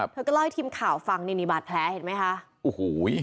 ครับเธอก็ล่อยทีมข่าวฟังเห็นมั้ยคะโอ้โหย